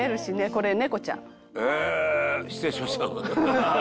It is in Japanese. これ猫ちゃん」「えーっ！失礼しました」